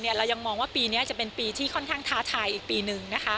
เรายังมองว่าปีนี้จะเป็นปีที่ค่อนข้างท้าทายอีกปีหนึ่ง